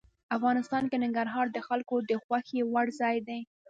افغانستان کې ننګرهار د خلکو د خوښې وړ ځای دی.